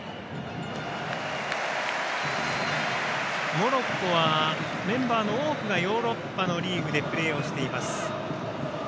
モロッコは、メンバーの多くがヨーロッパのリーグでプレーしています。